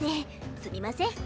すみません。